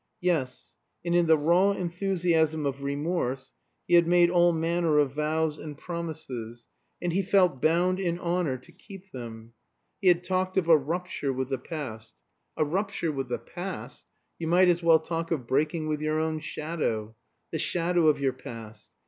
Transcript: Yes; and in the raw enthusiasm of remorse he had made all manner of vows and promises, and he felt bound in honor to keep them. He had talked of a rupture with the past. A rupture with the past! You might as well talk of breaking with your own shadow. The shadow of your past.